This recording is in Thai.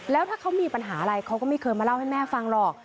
แล้วถ้าเขามีปัญหาอะไรเขาก็ไม่เคยมาเล่าให้แม่ฟังหรอก